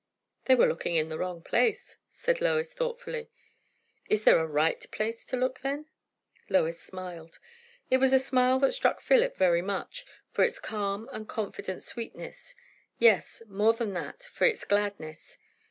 "They were looking in the wrong place," said Lois thoughtfully. "Is there a right place to look then?" Lois smiled. It was a smile that struck Philip very much, for its calm and confident sweetness; yes, more than that; for its gladness.